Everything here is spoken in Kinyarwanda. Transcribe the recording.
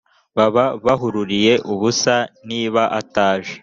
baba baruhiye ubusa niba ataje